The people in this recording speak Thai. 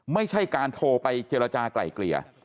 ไม่ใช่การโทรไปเจรจากลายเกลี่ย